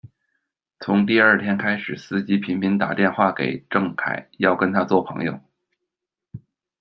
从第二天开始，司机频频打电话给郑凯，要跟他做朋友。